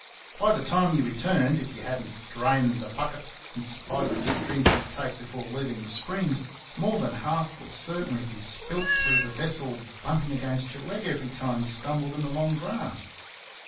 By the time you returned, if you had n't drained the bucket, in spite of the big drink you'd take before leaving the springs, more than half would certainly be spilt through the vessel bumping against your leg every time you stumbled in the long grass.